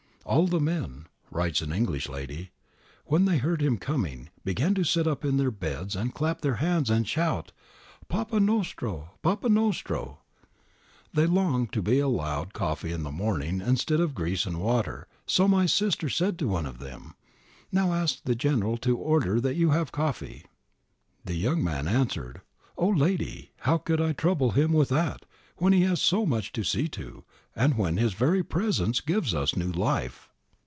'All the men,' writes an English lady, 'when they heard him coming, began to sit up in their beds and clap ' Appendix L, g. 256 GARIBALDI AND THE MAKING OF ITALY their hands and shout, Papa nostra, papa iiostro ! They long to be allowed coffee in the morning instead of grease and water, so my sister said to one of them, *' Now ask the General to order that you have coffee." The young man answered, "O lady, how could I trouble him with that, when he has so much to see to, and when his very presence gives us new life.'"